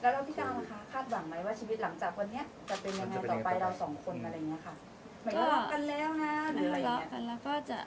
แล้วพี่ก้าวนะคะคาดหวังไหมว่าชีวิตหลังจากวันนี้จะเป็นยังไงต่อไปเราสองคนอะไรอย่างนี้ค่ะ